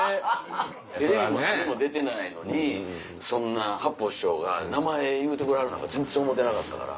テレビも何も出てないのにそんな八方師匠が名前言うてくれはるなんか全然思ってなかったから。